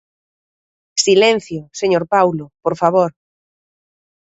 Silencio, señor Paulo, por favor.